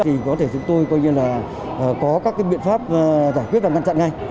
thì có thể chúng tôi có các biện pháp giải quyết và ngăn chặn ngay